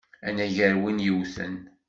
Anagar win yewten!